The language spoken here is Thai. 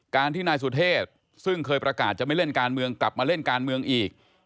การที่นายสุเทพซึ่งเคยประกาศจะไม่เล่นการเมืองกลับมาเล่นการเมืองอีก